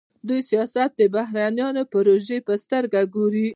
دوی سیاست د بهرنیو د پروژې په سترګه ګوري.